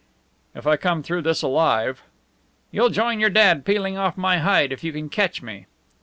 "If I come through this alive " "You'll join your dad peeling off my hide if you can catch me!"